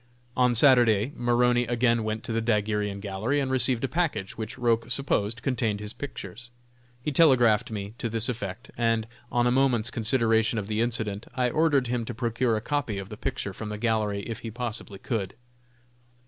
On Saturday Maroney again went to the daguerrean gallery and received a package, which Roch supposed contained his pictures. He telegraphed me to this effect, and, on a moment's consideration of the incident, I ordered him to procure a copy of the picture from the gallery if he possibly could.